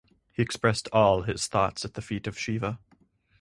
He expressed all his thoughts at the feet of Shiva.